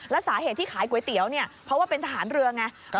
แล้วสาเหตุที่ขายก๋วยเตี๋ยวเนี่ยเพราะว่าเป็นทหารเรือไง